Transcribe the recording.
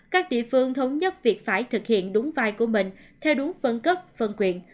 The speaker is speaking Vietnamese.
các địa phương thống nhất việc phải thực hiện đúng vai của mình theo đúng phân cấp phân quyền